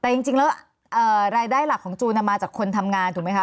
แต่จริงแล้วรายได้หลักของจูนมาจากคนทำงานถูกไหมคะ